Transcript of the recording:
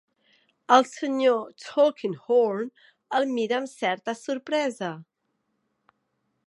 El Sr. Tulkinghorn el mira amb certa sorpresa.